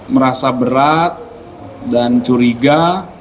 merasa berat dan curiga